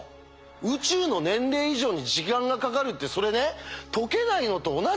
宇宙の年齢以上に時間がかかるってそれね解けないのと同じじゃん！